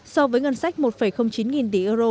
so với ngân sách một chín nghìn tỷ euro